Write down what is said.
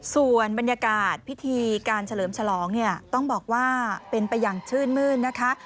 ส่วนบรรยากาศพิธีการเฉลิมฉลองเนี่ยต้องบอกว่าเป็นไปอย่างชื่นมื้นนะคะ